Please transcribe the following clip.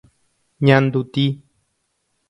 Ñanduti.